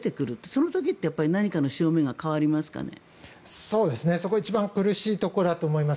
その時って何かの潮目が変わりますかね。